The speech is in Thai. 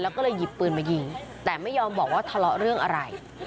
แล้วก็เลยหยิบปืนมายิงแต่ไม่ยอมบอกว่าทะเลาะเรื่องอะไร